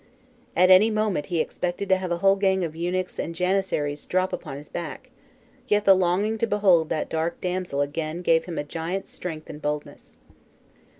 At any moment he expected to have a whole gang of eunuchs and janissaries drop upon his back, yet the longing to behold that dark damsel again gave him a giant's strength and boldness.